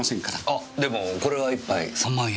あでもこれは１杯３万円。